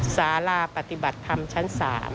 สาราปฏิบัติธรรมชั้น๓